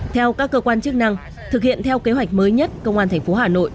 theo các cơ quan chức năng thực hiện theo kế hoạch mới nhất công an tp hà nội